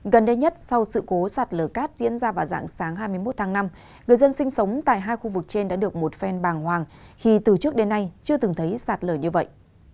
gần đây nhất sau sự cố sạt lở cát diễn ra vào dạng sáng hai mươi một tháng năm người dân sinh sống tại hai khu vực trên đã được một phen bàng hoàng khi từ trước đến nay chưa từng thấy sạt lở như vậy